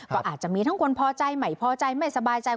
ก็อาจจะมีทั้งคนพอใจใหม่พอใจไม่สบายใจ